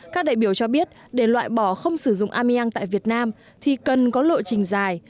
các đại biểu cho biết để loại bỏ không sử dụng ameang tại việt nam thì cần có lộ trình dài